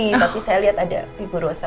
tapi saya lihat ada ibu rosa